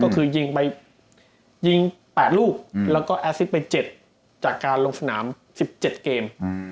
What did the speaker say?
คือยิง๘ลูกแล้วก็อาซิดไป๗จากการลงสนาม๑๗เกม